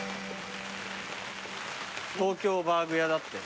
東京バーグ屋だって。